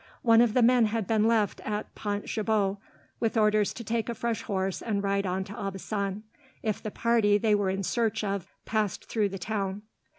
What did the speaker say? One of the men had been left at Pont Gibaut, with orders to take a fresh horse and ride on to Aubusson, if the party they were in search of passed through the town.